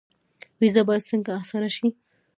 ویزه باید څنګه اسانه شي؟